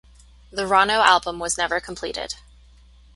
The Ronno album was never completed.